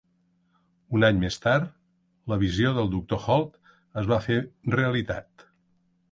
Un any més tard, la visió del doctor Holt es va fer realitat.